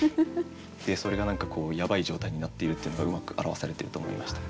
それが何かやばい状態になっているっていうのがうまく表されてると思いました。